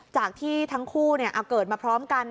จากที่ทั้งคู่เกิดมาพร้อมกัน